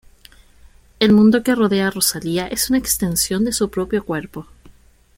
El mundo que rodea a Rosalía es una extensión de su propio cuerpo.